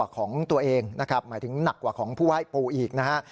ของตัวเองนะครับหมายถึงหนักกว่าของผู้ไหว้ปู่อีกนะฮะ